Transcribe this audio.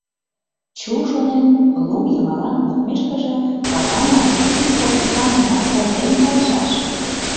Чу, шонем, лум йымалан кодмешкыже, казамлан, ик котомкам гынат, оптен кайышаш.